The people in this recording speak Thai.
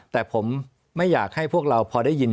แต่ผมไม่อยากให้พวกเราพอได้ยิน